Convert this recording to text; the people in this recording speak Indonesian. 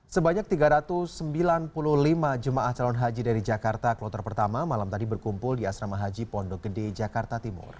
sebanyak tiga ratus sembilan puluh lima jemaah calon haji dari jakarta kloter pertama malam tadi berkumpul di asrama haji pondok gede jakarta timur